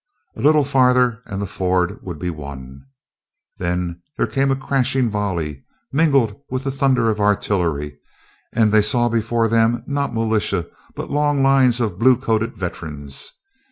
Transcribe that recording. A little farther and the ford would be won; then there came a crashing volley, mingled with the thunder of artillery, and they saw before them, not militia, but long lines of blue coated veterans.